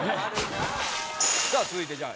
さあ続いてじゃあ